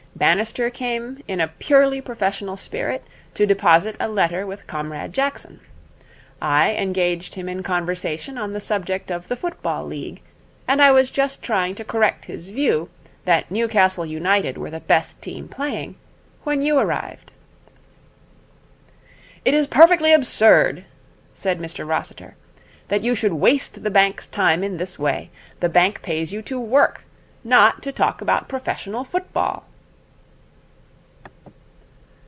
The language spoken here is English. Bannister came in a purely professional spirit to deposit a letter with Comrade Jackson. I engaged him in conversation on the subject of the Football League, and I was just trying to correct his view that Newcastle United were the best team playing, when you arrived.' 'It is perfectly absurd,' said Mr Rossiter, 'that you should waste the bank's time in this way. The bank pays you to work, not to talk about professional football.'